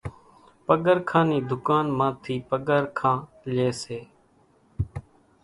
پڳرسان نِي ڌُڪان مان ٿي پگرکان لئي سي۔